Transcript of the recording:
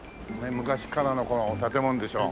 昔からのこの建物でしょ。